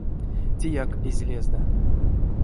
Теяк эзь лезда.